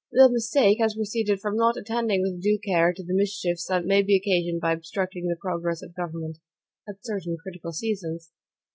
The mistake has proceeded from not attending with due care to the mischiefs that may be occasioned by obstructing the progress of government at certain critical seasons.